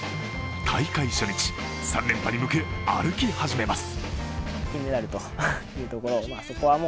大会初日、３連覇に向け歩き始めます。